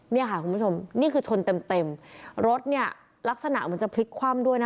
เนี่ยค่ะคุณผู้ชมนี่คือชนเต็มเต็มรถเนี่ยลักษณะเหมือนจะพลิกคว่ำด้วยนะคะ